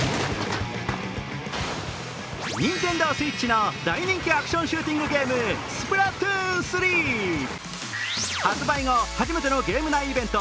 ＮｉｎｔｅｎｄｏＳｗｉｔｃｈの大人気アクションシューティングゲーム、「スプラトゥーン３」。